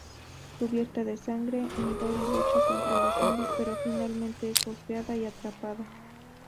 Cubierta de sangre, Midori lucha contra los zombis, pero finalmente es golpeada y atrapada.